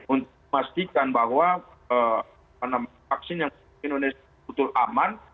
untuk memastikan bahwa vaksin yang di indonesia betul aman